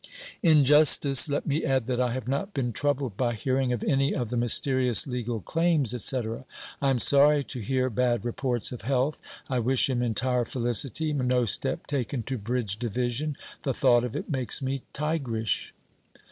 'In justice let me add that I have not been troubled by hearing of any of the mysterious legal claims, et caetera. I am sorry to hear bad reports of health. I wish him entire felicity no step taken to bridge division! The thought of it makes me tigrish.